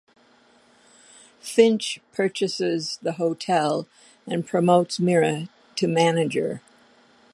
Finch purchases the hotel and promotes Mira to manager.